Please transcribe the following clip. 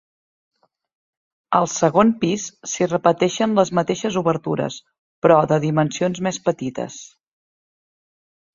Al segon pis s'hi repeteixen les mateixes obertures, però, de dimensions més petites.